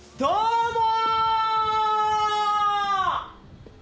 どうも！